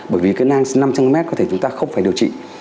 bởi vì cái nang năm cm có thể chúng ta không phải điều trị